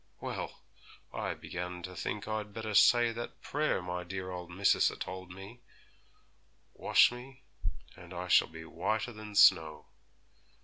Well, I began to think I'd better say that prayer my dear old missis a told me, "Wash me, and I shall be whiter than snow."